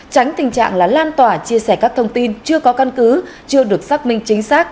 tránh tình trạng là lan tỏa chia sẻ các thông tin chưa có căn cứ chưa được xác minh chính xác